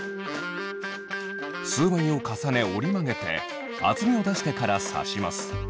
数枚を重ね折り曲げて厚みを出してから刺します。